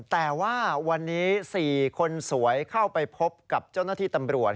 แต่ว่าวันนี้๔คนสวยเข้าไปพบกับเจ้าหน้าที่ตำรวจ